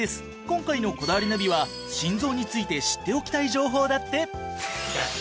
今回の『こだわりナビ』は心臓について知っておきたい情報だって。